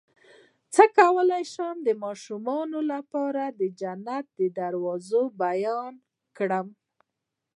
څنګه کولی شم د ماشومانو لپاره د جنت دروازې بیان کړم